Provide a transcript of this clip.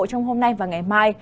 trong hôm nay và ngày mai